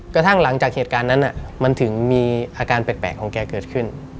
กระทั่งหลังจากเหตุการณ์นั้นมันถึงมีอาการแปลกของแกเกิดขึ้น